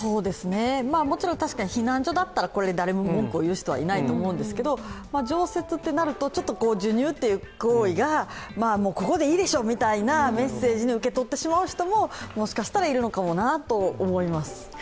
もちろん確かに避難所だったら、これで誰も文句を言う人はいないと思うんですが常設となると、ちょっと授乳という行為がここでいいでしょうみたいなメッセージに受け取ってしまう人ももしかしたらいるのかなと思います。